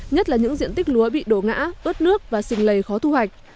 nhất là những diện tích lúa bị đổ ngã ớt nước và xình lầy khó thu hoạch